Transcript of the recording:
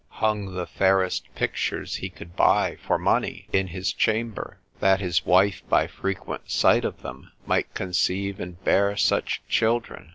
hung the fairest pictures he could buy for money in his chamber, That his wife by frequent sight of them, might conceive and bear such children.